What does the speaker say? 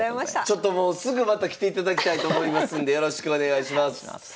ちょっともうすぐまた来ていただきたいと思いますんでよろしくお願いします。